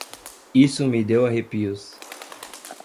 Isso me deu arrepios.